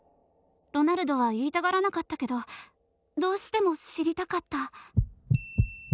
ロナルドは言いたがらなかったけどどうしても知りたかった。